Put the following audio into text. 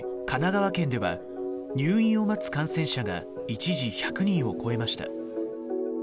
神奈川県では入院を待つ感染者が一時１００人を超えました。